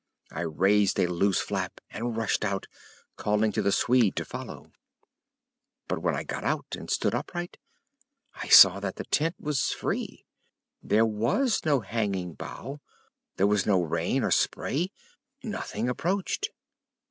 I raised a loose flap and rushed out, calling to the Swede to follow. But when I got out and stood upright I saw that the tent was free. There was no hanging bough; there was no rain or spray; nothing approached.